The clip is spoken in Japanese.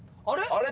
あれ？